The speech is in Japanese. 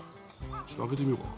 ちょっと開けてみようか。